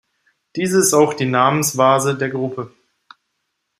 Diese ist auch die Namenvase der Gruppe.